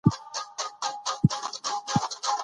د بولان پټي د افغان نجونو د پرمختګ لپاره فرصتونه برابروي.